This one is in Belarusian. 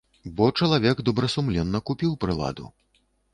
Бо чалавек добрасумленна купіў прыладу.